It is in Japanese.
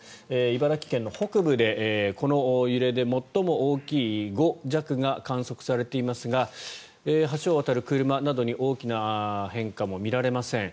茨城県の北部でこの揺れで最も大きい５弱が観測されていますが橋を渡る車などに大きな変化も見られません。